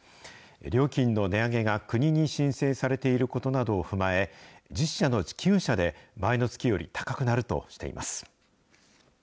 料金の値上げが国に申請されていることなどを踏まえ、１０社のうち９社で前の月より高くなるとしています。